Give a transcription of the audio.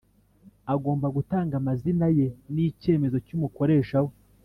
agomba gutanga amazina ye n’icyemezo cy’umukoresha we